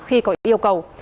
khi có yêu cầu